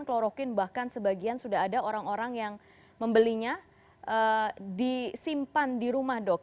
kloroquine bahkan sebagian sudah ada orang orang yang membelinya disimpan di rumah dok